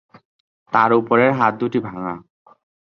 তার উপরের হাত দুটি ভাঙা।